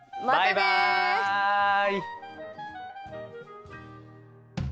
バイバイ！